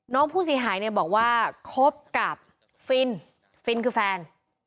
น้องผู้เสียหายเนี่ยบอกว่าคบกับฟินฟินคือแฟน